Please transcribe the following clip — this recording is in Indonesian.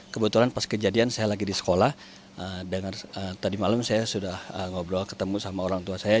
kebetulan pas kejadian saya lagi di sekolah dengar tadi malam saya sudah ngobrol ketemu sama orang tua saya